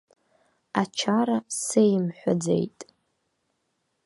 Ачара сеимҳәаӡеит.